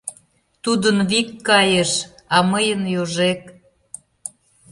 Тудын вик кайыш, а мыйын йожек.